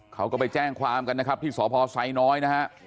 เขาก็ไปแจ้งความกันนะครับที่สพไซน้อยนะฮะ